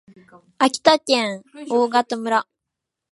秋田県大潟村